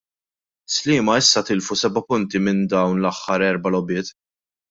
Sliema issa tilfu seba' punti minn dawn l-aħħar erba' logħbiet.